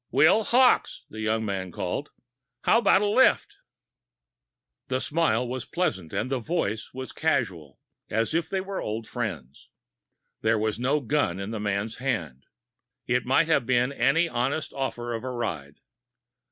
"Will Hawkes," the young man called. "How about a lift?" The smile was pleasant, and the voice was casual, as if they were old friends. There was no gun in the man's hands. It might have been any honest offer of a ride.